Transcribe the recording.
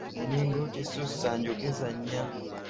Ennyingo tesussa njogeza nnya.